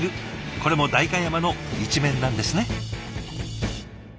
これも代官山の一面なんですね。